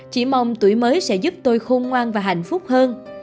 chỉ mong tuổi mới sẽ giúp tôi khôn ngoan và hạnh phúc hơn